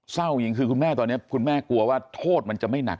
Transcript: เศร้าจริงคือคุณแม่ตอนนี้คุณแม่กลัวว่าโทษมันจะไม่หนัก